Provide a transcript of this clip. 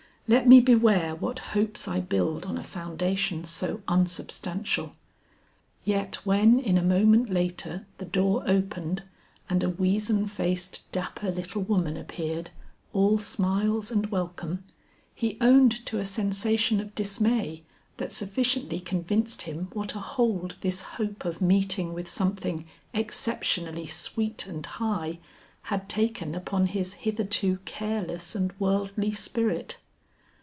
Let me beware what hopes I build on a foundation so unsubstantial." Yet when in a moment later the door opened and a weazen faced dapper, little woman appeared, all smiles and welcome, he owned to a sensation of dismay that sufficiently convinced him what a hold this hope of meeting with something exceptionally sweet and high, had taken upon his hitherto careless and worldly spirit.